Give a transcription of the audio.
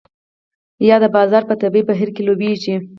یا د بازار په طبیعي بهیر کې لویږي.